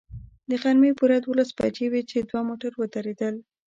د غرمې پوره دولس بجې وې چې دوه موټر ودرېدل.